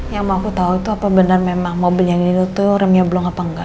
yang mau aku tau itu apa bener memang mobil yang ini tuh remnya belum apa enggak